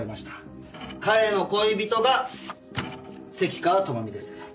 彼の恋人が関川朋美です。